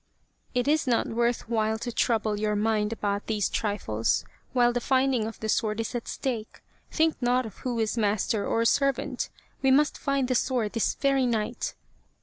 " It is not worth while to trouble your mind about these trifles while the finding of the sword is at stake. Think not of who is master or servant. We must find the sword this very night."